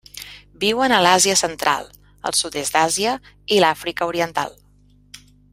Viuen a l'Àsia Central, el sud-est d'Àsia i l'Àfrica Oriental.